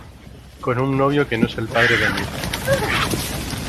con un novio que no es el padre de mi hijo